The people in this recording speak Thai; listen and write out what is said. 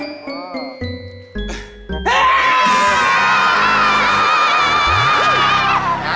ไงก่อน